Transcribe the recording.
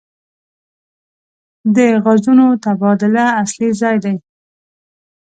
د غازونو تبادله اصلي ځای دی.